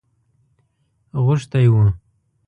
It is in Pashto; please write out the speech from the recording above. غوښتی وو.